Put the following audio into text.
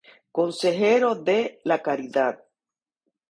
Consejero de "La Caridad".